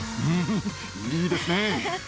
いいですね。